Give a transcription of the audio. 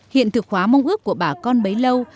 hiện thực hóa mong ước của bà con bấy lâu